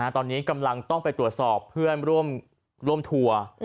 ตอนนี้กำลังต้องไปตรวจสอบเพื่อนร่วมทัวร์